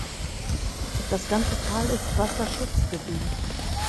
Das ganze Tal ist Wasserschutzgebiet.